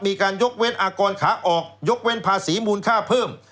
มีการยกเว้นอากรขาออกยกเว้นภาษีมูลค่าเพิ่ม